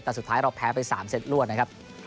แต่สุดท้ายเราแพ้ไป๓เซตร่วด